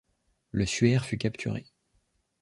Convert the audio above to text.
Le Suaire fut capturé.